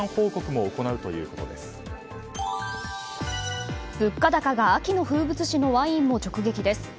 物価高が秋の風物詩のワインも直撃です。